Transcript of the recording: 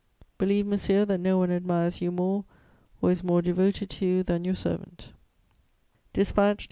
_ "Believe, monsieur, that no one admires you more, or is more devoted to you than your servant." DISPATCH TO M.